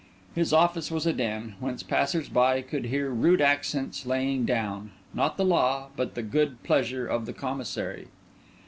His office was a den, whence passers by could hear rude accents laying down, not the law, but the good pleasure of the Commissary.